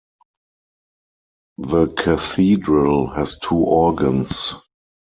The cathedral has two organs.